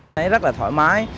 thấy rất là thoải mái